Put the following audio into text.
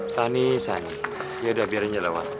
sani sani ya udah biarin aja lah wak